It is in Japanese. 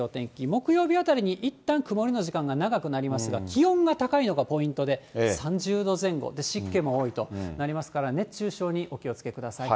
木曜日あたりにいったん曇りの時間が長くなりますが、気温が高いのがポイントで、３０度前後、湿気も多いとなりますから、熱中症にお気をつけください。